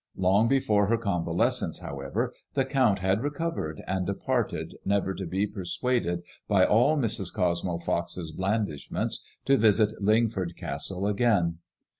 Long before her convalescence, however, the Count had re covered and departed never to be persuaded by all Mrs. Cosmo Fox's blandishments to visit Lingford Castle again.